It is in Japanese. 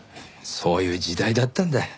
そういう時代だったんだ。